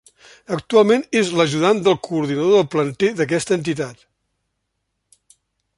Actualment és l'ajudant del coordinador del planter d'aquesta entitat.